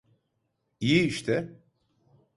İyi işte.